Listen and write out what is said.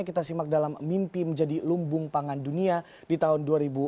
kita simak dalam mimpi menjadi lumbung pangan dunia di tahun dua ribu empat puluh